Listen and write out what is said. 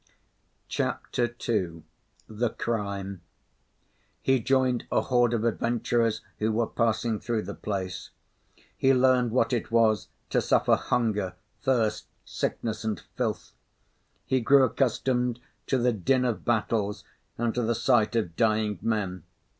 CHAPTER II THE CRIME He joined a horde of adventurers who were passing through the place. He learned what it was to suffer hunger, thirst, sickness and filth. He grew accustomed to the din of battles and to the sight of dying men.